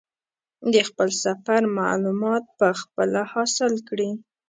د خپل سفر معلومات په خپله حاصل کړي.